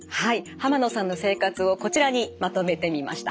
濱野さんの生活をこちらにまとめてみました。